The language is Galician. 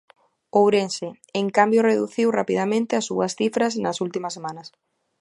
Ourense, en cambio reduciu rapidamente as súas cifras nas últimas semanas.